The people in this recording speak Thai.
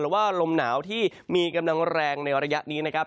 ว่าลมหนาวที่มีกำลังแรงในระยะนี้นะครับ